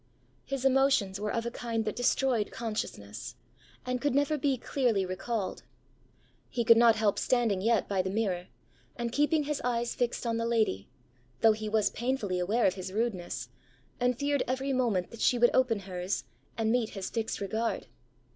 His emotions were of a kind that destroyed consciousness, and could never be clearly recalled. He could not help standing yet by the mirror, and keeping his eyes fixed on the lady, though he was painfully aware of his rudeness, and feared every moment that she would open hers, and meet his fixed regard.